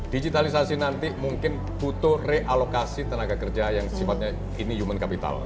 digitalisasi nanti mungkin butuh realokasi tenaga kerja yang sifatnya ini human capital